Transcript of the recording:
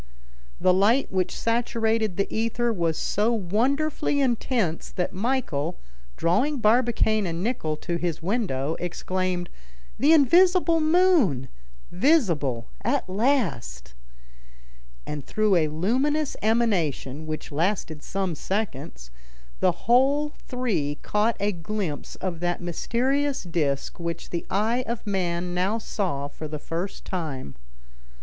The light which saturated the ether was so wonderfully intense, that Michel, drawing Barbicane and Nicholl to his window, exclaimed, "The invisible moon, visible at last!" And through a luminous emanation, which lasted some seconds, the whole three caught a glimpse of that mysterious disc which the eye of man now saw for the first time.